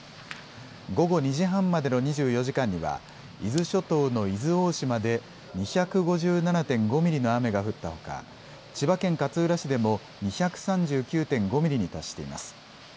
午後２時半までの２４時間には伊豆諸島の伊豆大島で２５７．５ミリの雨が降ったほか千葉県勝浦市でも２３９．５ミリに達しています。